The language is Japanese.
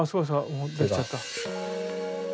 もう出来ちゃった。